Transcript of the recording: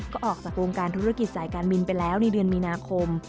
ก็ออกจากวงการธุรกิจสายการบินไปแล้วในเดือนมีนาคม